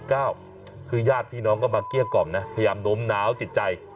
คือญาติพี่น้องก็มาเกลี้ยกล่อมนะพยายามโน้มน้าวจิตใจ